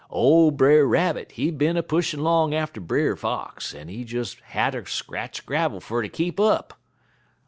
"Ole Brer Rabbit, he'd bin a pushin' 'long atter Brer Fox, but he des hatter scratch gravel fer ter keep up.